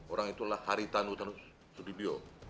orang itulah haritano sudibyo